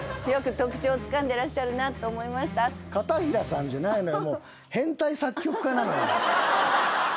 片平さんじゃないのよ。